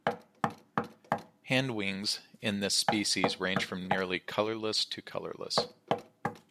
Hindwings in this species range from nearly colorless to colorless.